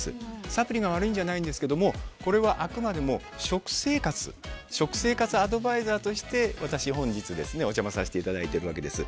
サプリが悪いんじゃないですがこれはあくまでも食生活アドバイザーとして私、本日お邪魔させていただいているわけです。